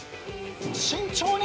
慎重に。